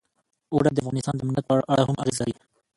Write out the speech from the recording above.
اوړي د افغانستان د امنیت په اړه هم اغېز لري.